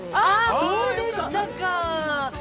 ◆そうでしたか。